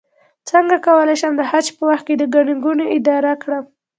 څنګه کولی شم د حج په وخت کې د ګڼې ګوڼې اداره کړم